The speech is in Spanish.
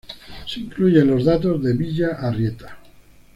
Se incluyen los datos de Villa Arrieta.